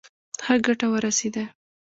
ښه ګټه ورسېده.